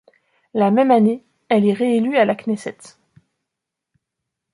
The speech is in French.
La même année, elle est réélue à la Knesset.